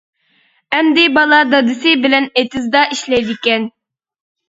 ئەمدى بالا دادىسى بىلەن ئېتىزدا ئىشلەيدىكەن.